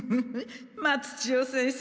松千代先生